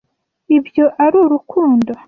Ibyo ari urukundo.